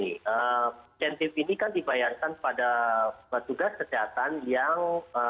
insentif ini kan dibayarkan pada petugas kesehatan yang